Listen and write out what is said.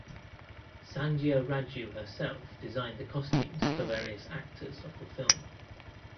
Sandhya Raju herself designed the costumes for various actors of the film.